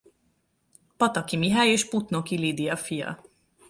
Pataki Mihály és Putnoki Lidia fia.